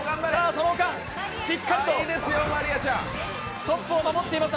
その間しっかりとトップを守っています